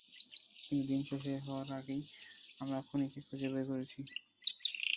কিন্তু দিন শেষ হওয়ার আগেই আমরা খুনিকে খুঁজে বের করেছি।